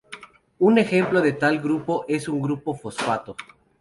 Un ejemplo de tal grupo es un grupo fosfato.